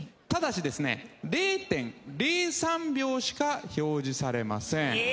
ただしですね０．０３秒しか表示されません。